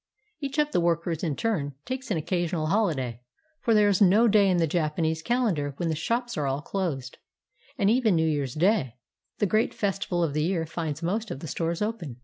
Each of the workers, in turn, takes an occasional holiday, for there is no day in the Japanese calendar when the shops are all closed; and even New Year's Day, the great festival of the year, finds most of the stores open.